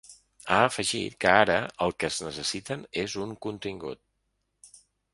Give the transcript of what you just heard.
Ha afegit que ara el que es necessiten és ‘un contingut’